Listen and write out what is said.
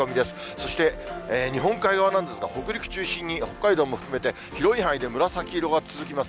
そして日本海側なんですが、北陸中心に、北海道も含めて、広い範囲で紫色が続きます。